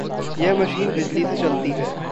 यह मशीन बिजली से चलती है।